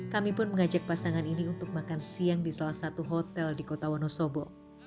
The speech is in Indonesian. kami pun mengajak pasangan ini untuk makan siang di salah satu hotel di kota wonosobo